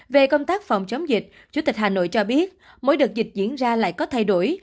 về công tác phòng chống dịch chủ tịch hà nội cho biết mỗi đợt dịch diễn ra lại có thay đổi